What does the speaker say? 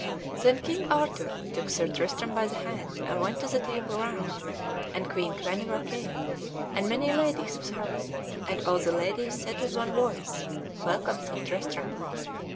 Then King Arthur took Sir Tristram by the hand, and went to the Table Round, and Queen Guenever came, and many ladies with her, and all the ladies said with one voice, "Welcome, Sir Tristram."